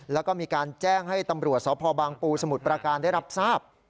แล้วก็มีการแจ้งให้ตำรวจสพบางปูสมุทรประการได้รับทราบ